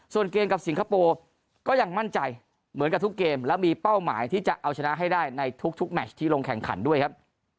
ส่วนเกมกับสิงคโปร์ก็ยังมั่นใจเหมือนกับทุกเกมและมีเป้าหมายที่จะเอาชนะให้ได้ในทุกแมชที่ลงแข่งขันด้วยครับ